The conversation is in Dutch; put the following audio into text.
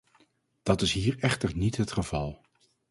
Dat is hier echter niet het geval.